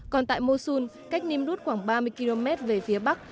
còn tại mosul cách nimrut khoảng ba mươi km về phía bắc